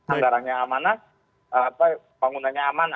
andaranya amanah panggunanya amanah